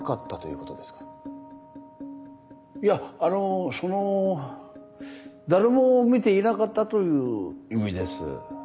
いやあのその誰も見ていなかったという意味です。